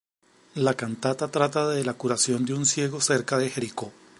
La cantata trata de la curación de un ciego cerca de Jericó.